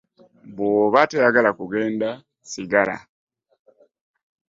Bw'oba toyagala kugenda sigala.